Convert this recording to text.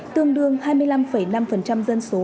tương đương hai mươi năm năm dân số